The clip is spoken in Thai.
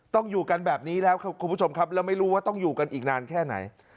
ต้องอยู่กันแบบนี้แล้วครับคุณผู้ชมครับแล้วไม่รู้ว่าต้องอยู่กันอีกนานแค่ไหน